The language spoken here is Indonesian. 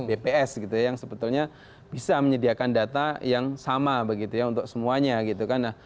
bps gitu ya yang sebetulnya bisa menyediakan data yang sama begitu ya untuk semuanya gitu kan